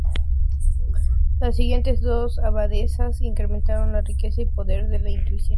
Las siguientes dos abadesas incrementaron la riqueza y poder de la institución.